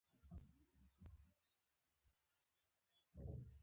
هغه د اشعارو مجموعې، لنډې کیسې لیکلي.